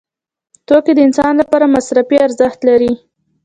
توکي د انسان لپاره مصرفي ارزښت لري.